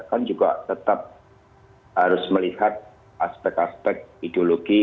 kan juga tetap harus melihat aspek aspek ideologi